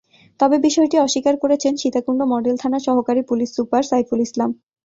তবে বিষয়টি অস্বীকার করেছেন সীতাকুণ্ড মডেল থানার সহকারী পুলিশ সুপার সাইফুল ইসলাম।